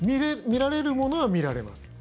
見られるものは見られます。